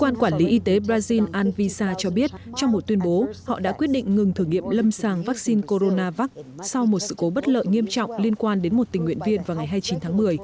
ngoại trưởng anvisa cho biết trong một tuyên bố họ đã quyết định ngừng thử nghiệm lâm sàng vaccine coronavac sau một sự cố bất lợi nghiêm trọng liên quan đến một tình nguyện viên vào ngày hai mươi chín tháng một mươi